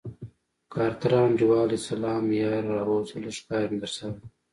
کارتره انډيواله سلام يره راووځه لږ کار مې درسره دی.